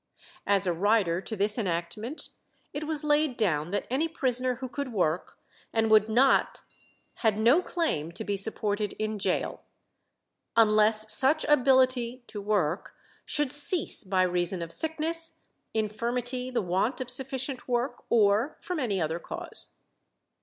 As a rider to this enactment, it was laid down that any prisoner who could work and would not had no claim to be supported in gaol, "unless such ability (to work) should cease by reason of sickness, infirmity, the want of sufficient work, or from any other cause."